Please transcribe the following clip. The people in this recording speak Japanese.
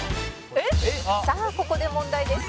「さあここで問題です」